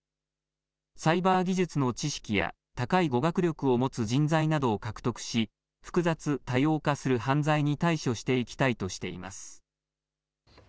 サイバー技術の知識や高い語学力を持つ人材などを獲得し複雑、多様化する犯罪に対処していきたいとしています。